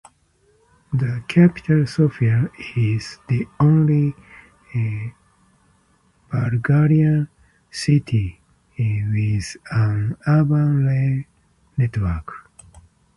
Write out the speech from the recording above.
The capital Sofia is the only Bulgarian city with an urban rail network.